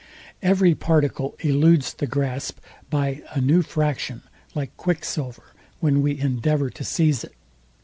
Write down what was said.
Every particle eludes the grasp by a new fraction; like quicksilver, when we endeavour to seize it.